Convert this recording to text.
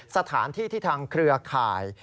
สถานที่ที่ทางเครือข่าย